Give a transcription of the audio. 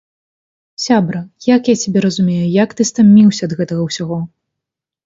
Сябра, як я цябе разумею, як ты стаміўся ад гэтага ўсяго!